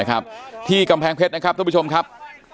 นะครับที่กำแพงเพชรนะครับทุกผู้ชมครับ